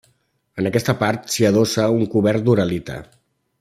En aquesta part s'hi adossa un cobert d'uralita.